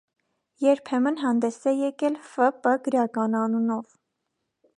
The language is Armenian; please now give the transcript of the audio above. Երբեմն հանդես է եկել Ֆ. Պ. գրական անունով։